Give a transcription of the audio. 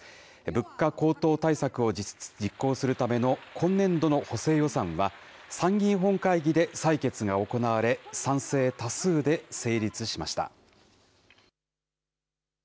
物価高騰対策を実行するための今年度の補正予算は参議院本会議で採決が行われ、賛成多数で成立しました。